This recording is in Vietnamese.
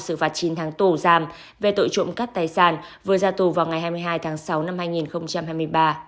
xử phạt chín tháng tù giam về tội trộm cắt tài sản vừa ra tù vào ngày hai mươi hai tháng sáu năm hai nghìn hai mươi ba